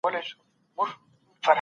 هغوی د خپل مخ په مینځلو بوخت دي.